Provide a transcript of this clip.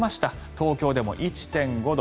東京でも１．５度。